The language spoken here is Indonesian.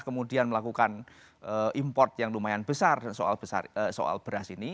kemudian melakukan import yang lumayan besar soal beras ini